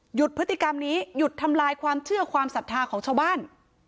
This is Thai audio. พฤติกรรมนี้หยุดทำลายความเชื่อความศรัทธาของชาวบ้าน